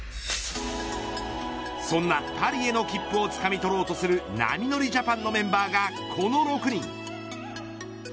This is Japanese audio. そんなパリへの切符をつかみ取ろうとする波乗りジャパンのメンバーがこの６人。